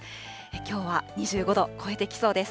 きょうは２５度越えてきそうです。